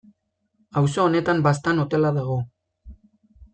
Auzo honetan Baztan hotela dago.